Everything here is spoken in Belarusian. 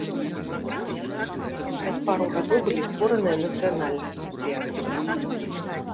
Праз пару гадоў былі створаныя нацыянальныя асацыяцыі.